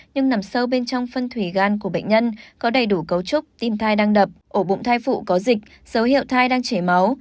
nhưng nằm sâu bên trong phân thủy gan của bệnh nhân có đầy đủ cấu trúc tim thai đang đập ổ bụng thai phụ có dịch dấu hiệu thai đang chảy máu